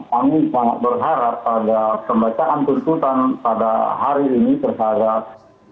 kami sangat berharap pada pembacaan tuntutan pada hari ini terhadap